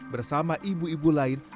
bersama ibu ibu lain